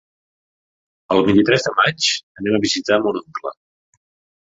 El vint-i-tres de maig anem a visitar mon oncle.